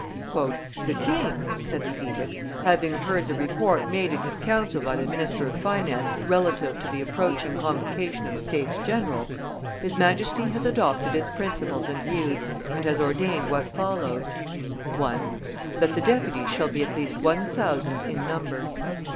"The king," said the edict, "having heard the report made in his council by the minister of finance relative to the approaching convocation of the States general, his Majesty has adopted its principles and views, and has ordained what follows: 1. That the deputies shall be at least one thousand in number; 2.